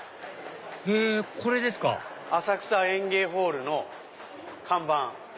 へぇこれですか浅草演芸ホールの看板。